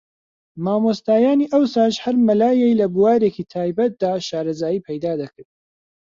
مامۆستایانی ئەوساش ھەر مەلایەی لە بوارێکی تایبەتدا شارەزایی پەیدا دەکرد